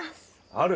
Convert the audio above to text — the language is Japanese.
ある。